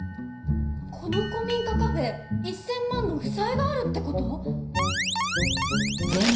この古民家カフェ１０００万の負債があるって事？